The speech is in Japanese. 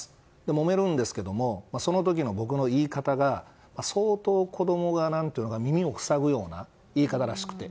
もめるんですけどその時の僕の言い方が相当、子供が耳を塞ぐような言い方らしくて。